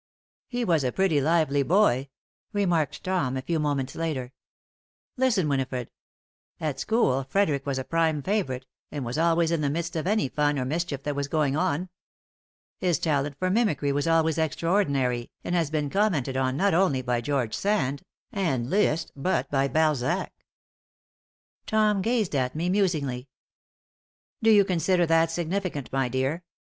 "He was a pretty lively boy," remarked Tom, a few moments later. "Listen, Winifred! 'At school, Frederic was a prime favorite, and was always in the midst of any fun or mischief that was going on. His talent for mimicry was always extraordinary, and has been commented on not only by George Sand and Liszt but by Balzac.'" Tom gazed at me, musingly. "Do you consider that significant, my dear?"